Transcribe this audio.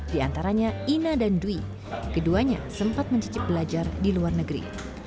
di antaranya ina dan dwi keduanya sempat mencicip belajar di luar negeri